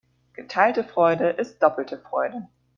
Geteilte Freude ist doppelte Freude.